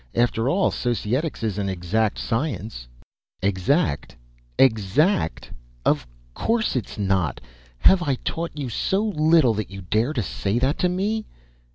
After all, Societics is an exact science " "Exact? Exact! Of course it's not! Have I taught you so little that you dare say that to me?"